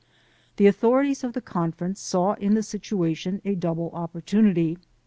The authorities of the conference saw in the situation a double opportu nity.